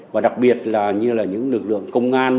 và đặc biệt là như là những lực lượng công an